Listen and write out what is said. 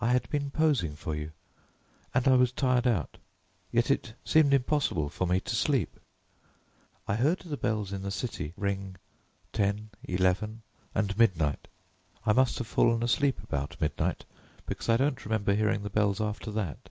I had been posing for you and I was tired out, yet it seemed impossible for me to sleep. I heard the bells in the city ring ten, eleven, and midnight. I must have fallen asleep about midnight because I don't remember hearing the bells after that.